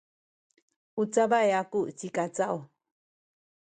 u cabay aku ci Kacaw.